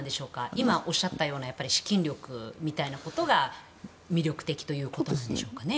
今、おっしゃったような資金力みたいなことが魅力的ということでしょうか？